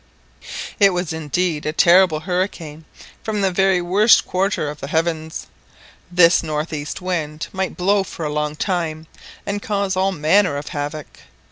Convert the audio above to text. It was indeed a terrible hurricane from the very worst quarter of the heavens. This north east wind might blow for a long time and cause all manner of havoc.